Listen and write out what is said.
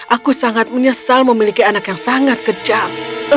aku sangat menyesal memiliki anak yang sangat kejam